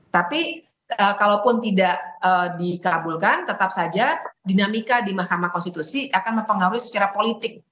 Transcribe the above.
tapi kalaupun tidak dikabulkan tetap saja dinamika di mahkamah konstitusi akan mempengaruhi secara politik